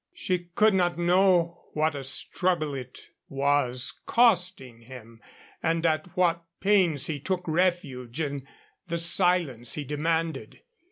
She could not know what a struggle it was costing him and at what pains he took refuge in the silence he demanded.